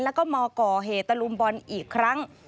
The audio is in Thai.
แล้วก็มาก่อเหตุตะลุมบอลอีกครั้ง